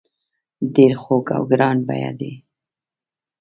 ډیر خوږ او ګران بیه دي.